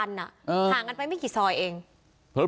ห่างกันไปไม่กี่ซอยเอง